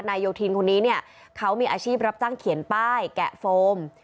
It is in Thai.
นายโยทินคนนี้เขามีอาชีพรับจังเขียนป้ายแกะโฟม